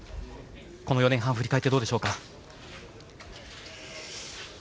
この４年半振り返ってどうでしょうか？